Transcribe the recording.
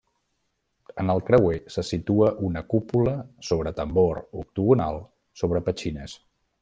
En el creuer se situa una cúpula sobre tambor octagonal sobre petxines.